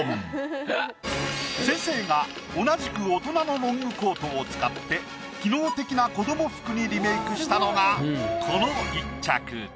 先生が同じく大人のロングコートを使って機能的な子ども服にリメイクしたのがこの１着。